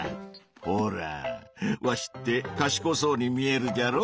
ほらぁわしってかしこそうに見えるじゃろ？